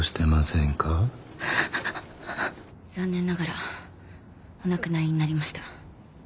残念ながらお亡くなりになりました。